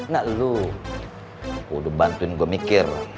nah lu udah bantuin gue mikir